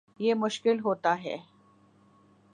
یہ مشکل ہوتا ہے